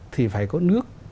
thì phải có nước